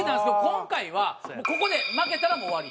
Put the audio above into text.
今回はここで負けたらもう終わり。